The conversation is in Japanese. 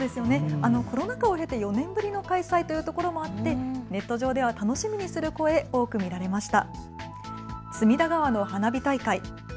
コロナ禍を経て４年ぶりの開催というところもあってネット上では楽しみにする声、多く見られました。